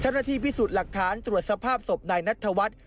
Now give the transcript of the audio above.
ชัดละที่พิสูจน์หลักฐานตรวจสภาพศพในนัทธวัฒน์